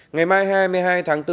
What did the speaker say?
ngày mai hai mươi hai tháng bốn